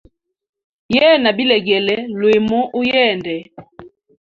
Yena bilegele lwimu uyende.